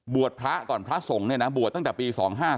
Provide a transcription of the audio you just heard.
พระก่อนพระสงฆ์เนี่ยนะบวชตั้งแต่ปี๒๕๔